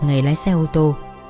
ngày lái xe ô tô